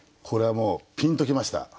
これはもうピンときました。